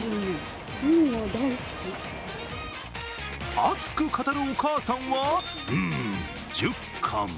熱く語るお母さんは１０缶。